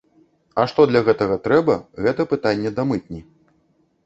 А што для гэтага трэба, гэта пытанне да мытні.